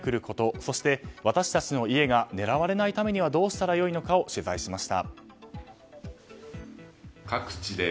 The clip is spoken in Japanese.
そして、私たちの家が狙われないためにはどうしたらいいのか取材しました。